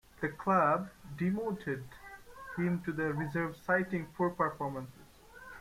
The club demoted him to the reserves citing poor performance.